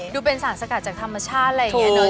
ดูเป็นสารสกัดจากธรรมชาติอะไรอย่างนี้เนอะ